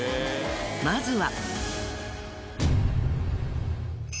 まずは。